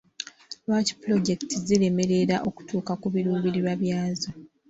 Lwaki pulojekiti ziremererwa okutuuka ku biruubirirwa byazo?